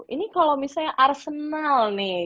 ini kalau misalnya arsenal nih